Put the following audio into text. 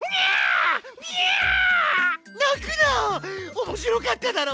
おもしろかっただろ！